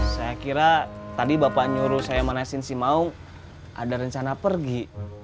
saya kira tadi bapak nyuruh saya manasin sih mau ada rencana pergi